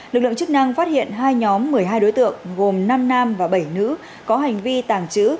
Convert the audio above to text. lực lượng chức năng phát hiện hai nhóm một mươi hai đối tượng gồm năm nam và bảy nữ có hành vi tàng trữ